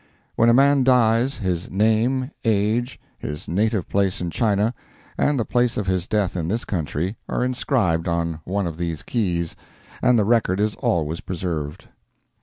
When a man dies, his name, age, his native place in China, and the place of his death in this country, are inscribed on one of these keys, and the record is always preserved.